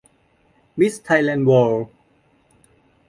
มิสไทยแลนด์เวิลด์